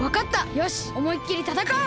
よしおもいっきりたたかおう！